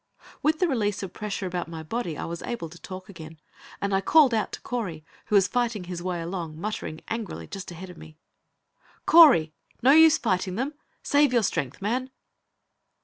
With the release of the pressure about my body I was able to talk again, and I called out to Correy, who was fighting his way along, muttering, angrily, just ahead of me. "Correy! No use fighting them. Save your strength, man!"